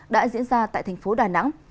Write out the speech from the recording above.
đã diễn ra tại thành phố đà nẵng